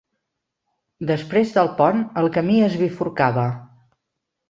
Després del pont el camí es bifurcava.